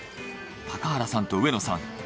高原さんと上野さん